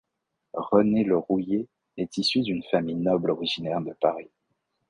René le Rouillé est issu d'une famille noble originaire de Paris.